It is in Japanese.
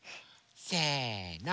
せの。